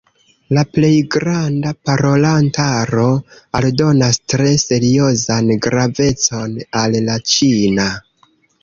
La plej granda parolantaro aldonas tre seriozan gravecon al la ĉina.